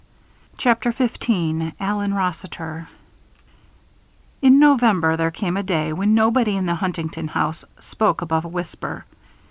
CHAPTER XV ALLEN ROSSITER In November there came a day when nobody in the Huntington house spoke above a whisper.